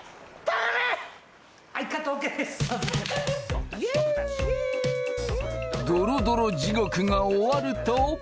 ドロドロ地獄が終わると。